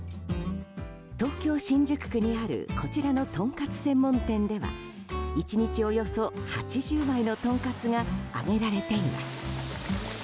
東京・新宿区にあるこちらの、とんかつ専門店では１日およそ８０枚のとんかつが揚げられています。